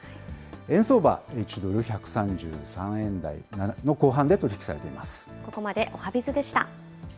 円相場、１ドル１３３円台の後半で取り引きされています。